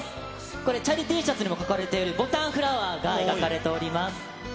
これ、チャリＴシャツにも描かれているボタンフラワーが描かれておりま